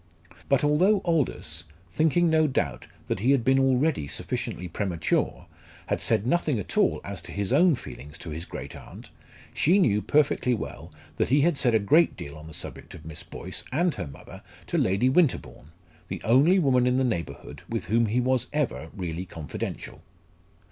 But although Aldous, thinking no doubt that he had been already sufficiently premature, had said nothing at all as to his own feelings to his great aunt, she knew perfectly well that he had said a great deal on the subject of Miss Boyce and her mother to Lady Winterbourne, the only woman in the neighbourhood with whom he was ever really confidential.